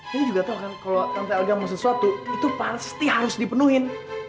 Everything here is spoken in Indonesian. nenek juga tau kan kalo tante aldia mau sesuatu itu pasti harus dipenuhin